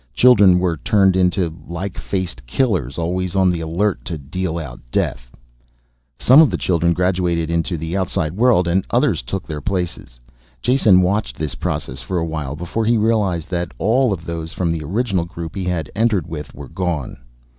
Children were turned into like faced killers, always on the alert to deal out death. Some of the children graduated into the outside world and others took their places. Jason watched this process for a while before he realized that all of those from the original group he had entered with were gone.